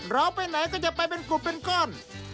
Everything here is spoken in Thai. เราไปไหนก็จะไปเป็นกลุ่มเป็นก้อน